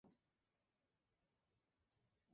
Fue producido por Kansas y Ken Scott.